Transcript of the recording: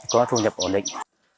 có thu nhập ổn định